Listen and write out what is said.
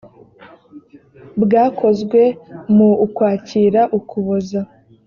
bwakozwe mu ukwakira ukuboza